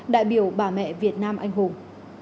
đại biểu bà mẹ việt nam anh hùng